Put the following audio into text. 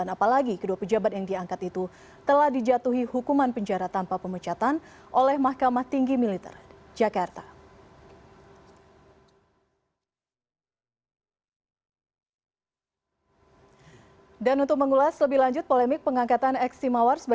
apalagi kedua pejabat yang diangkat itu telah dijatuhi hukuman penjara tanpa pemecatan oleh mahkamah tinggi militer jakarta